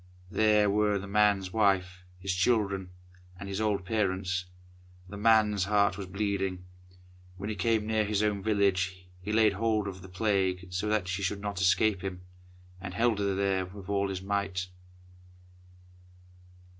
There were the man's wife, his children, and his old parents. The man's heart was bleeding! When he came near his own village, he laid hold of the Plague so that she should not escape him, and held her with all his might.